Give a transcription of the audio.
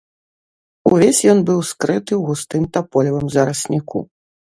Увесь ён быў скрыты ў густым таполевым зарасніку.